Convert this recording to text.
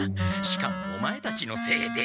しかもオマエたちのせいで。